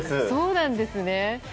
そうなんですね。